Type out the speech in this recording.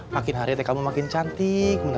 makin hari te kamu makin cantik